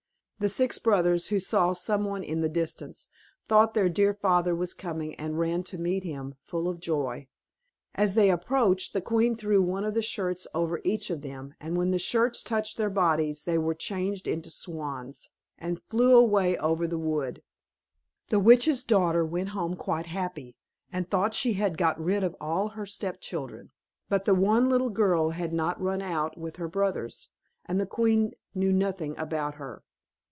The six brothers, who saw some one in the distance, thought their dear father was coming, and ran to meet him, full of joy. As they approached, the queen threw one of the shirts over each of them, and when the shirts touched their bodies, they were changed into swans, and flew away over the wood. The witch's daughter went home quite happy, and thought she had got rid of all her stepchildren; but the one little girl had not run out with her brothers, and the queen knew nothing about her.